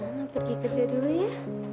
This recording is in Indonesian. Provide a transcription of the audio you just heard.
emang pergi kerja dulu ya